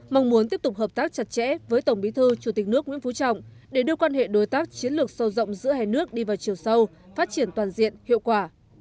mong muốn tiếp tục hợp tác chặt chẽ với tổng bí thư chủ tịch nước nguyễn phú trọng để đưa quan hệ đối tác chiến lược sâu rộng giữa hai nước đi vào chiều sâu phát triển toàn diện hiệu quả